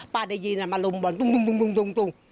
ได้ยินมาลุมบ่อนตุ้ง